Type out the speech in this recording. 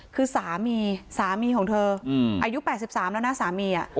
คือสามีสามีของเธออายุ๘๓แล้วนะสามี